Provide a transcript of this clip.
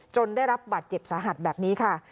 ได้รับบัตรเจ็บสาหัสแบบนี้ค่ะ